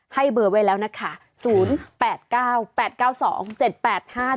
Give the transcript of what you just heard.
ให้เบอร์ไว้แล้วนะคะ๐๘๙๘๙๒๗๘๕๗